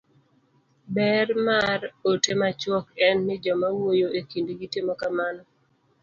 ber mar ote machuok en ni joma wuoyo e kindgi timo kamano